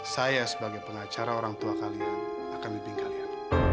saya sebagai pengacara orang tua kalian akan membimbing kalian